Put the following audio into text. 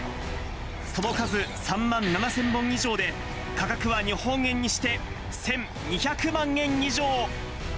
その数、３万７０００本以上で、価格は日本円にして１２００万円以上。